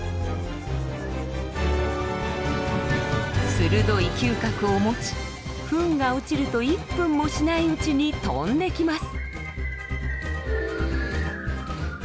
鋭い嗅覚を持ちフンが落ちると１分もしないうちに飛んできます。